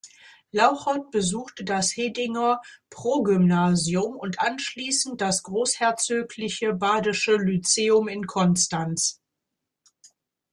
Lauchert besuchte das Hedinger Progymnasium und anschließend das Großherzogliche Badische Lyzeum in Konstanz.